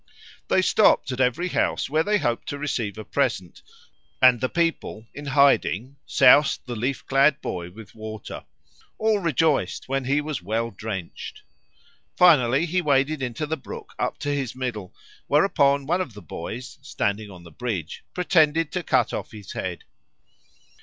They stopped at every house where they hoped to receive a present; and the people, in hiding, soused the leaf clad boy with water. All rejoiced when he was well drenched. Finally he waded into the brook up to his middle; whereupon one of the boys, standing on the bridge, pretended to cut off his head.